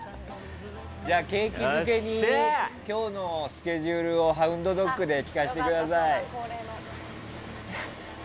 景気づけに今日のスケジュールを「ハウンドドッグ」で聴かせてください。